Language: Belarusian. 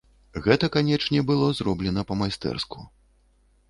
Гэта, канечне, было зроблена па-майстэрску.